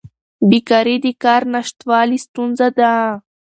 بیکاري د کار نشتوالي ستونزه ده.